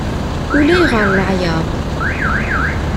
Ulayɣer leɛyaḍ.